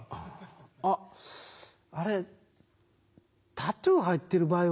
あっあれタトゥー入ってる場合は。